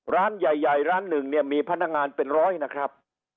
ร้านใหญ่ร้านหนึ่งเนี่ยมีพนักงานเป็นร้อยนะครับ